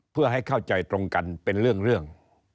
เพื่อให้เข้าใจตรงกันเป็นเรื่อง